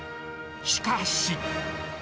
しかし。